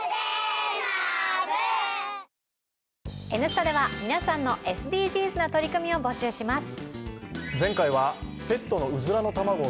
「Ｎスタ」では皆さんのＳＤＧｓな取り組みを募集します。